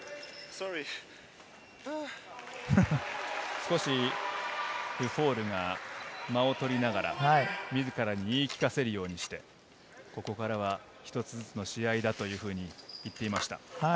少し、ルフォールが間を取りながら、自らに言い聞かせるようにして、ここからが一つずつの試合だというふうに言っていました。